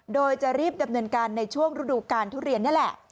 โดยจะรีบดำเนินการในช่วงฤดูการทุเรียนนี่แหละ